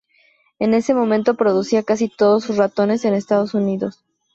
En ese momento, producía casi todos sus ratones en Estados Unidos.